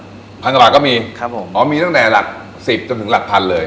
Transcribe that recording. ๑๐๐๐กว่าบาทก็มีอ๋อมีตั้งแต่หลัก๑๐จนถึงหลัก๑๐๐๐เลย